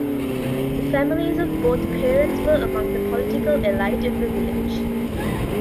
The families of both parents were among the political elite of the village.